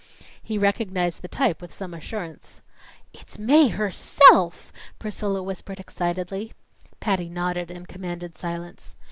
He recognized the type with some assurance. "It's Mae herself!" Priscilla whispered excitedly. Patty nodded and commanded silence.